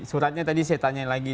suratnya tadi saya tanya lagi